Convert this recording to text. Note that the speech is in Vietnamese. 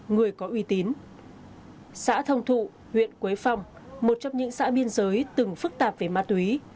người có uy tín xã thông thụ huyện quế phong một trong những xã biên giới từng phức tạp về ma túy